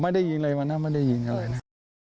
ไม่ได้ยินเลยนะไม่ได้ยินเลยนะ